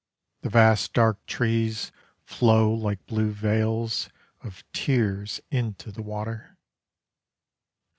The vast dark trees Flow like blue veils Of tears Into the water.